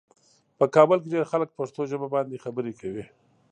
په کابل کې ډېر خلک پښتو ژبه باندې خبرې کوي.